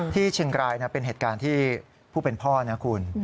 ที่เชียงรายเป็นเหตุการณ์ที่ผู้เป็นพ่อนะคุณ